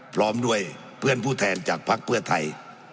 พร้อมด้วยเพื่อนผู้แทนจากภักดิ์เพื่อไทย